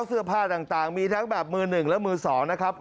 เสื้อผ้าต่างมีทั้งแบบมือหนึ่งและมือ๒นะครับ